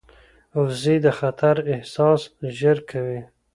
وزې د خطر احساس ژر کوي